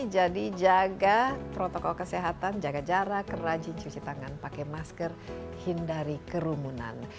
jadi jaga protokol kesehatan jaga jarak rajin cuci tangan pakai masker hindari kerumunan